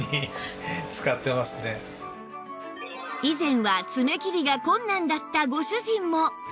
以前は爪切りが困難だったご主人も